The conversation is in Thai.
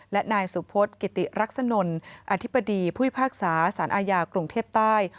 และนายสุพศกิติรักษนลอธิบดีผู้พิพากษาสารอาญากรุงเทพใต้